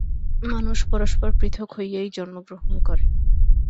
মানুষ পরস্পর পৃথক হইয়াই জন্মগ্রহণ করে।